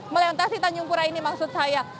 melintasi tanjung pura ini maksud saya